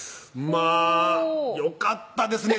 まぁよかったですね